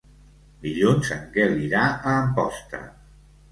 Dilluns en Quel irà a Amposta.